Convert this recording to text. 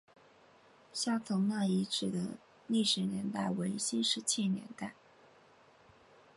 下堂那遗址的历史年代为新石器时代。